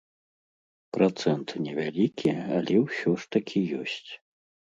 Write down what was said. Працэнт невялікі, але ўсё ж такі ёсць.